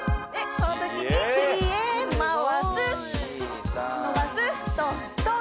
このときにプリエ回す伸ばすトントン。